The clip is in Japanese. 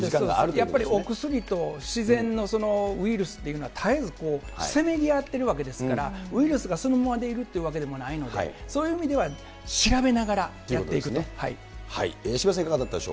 やっぱりお薬と自然のウイルスっていうのは、絶えずせめぎ合っているわけですから、ウイルスがそのままでいるっていうわけでもないので、そういう意味では調渋谷さん、いかがだったでし